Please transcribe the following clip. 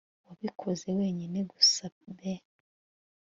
Wabikoze wenyine gusab